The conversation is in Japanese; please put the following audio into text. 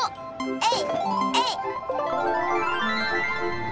えい！